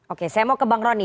oke saya mau ke bang rony